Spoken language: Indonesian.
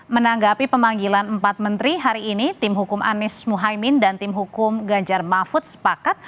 menanggapi pemanggilan empat menteri hari ini tim hukum anies mohaimin dan tim hukum ganjar mahfud sepakat